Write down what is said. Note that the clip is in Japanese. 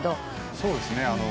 そうですね。